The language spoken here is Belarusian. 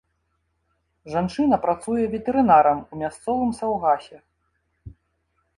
Жанчына працуе ветэрынарам у мясцовым саўгасе.